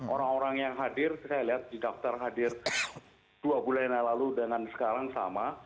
orang orang yang hadir saya lihat di daftar hadir dua bulan yang lalu dengan sekarang sama